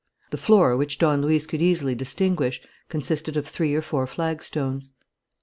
The floor, which Don Luis could easily distinguish, consisted of three or four flagstones.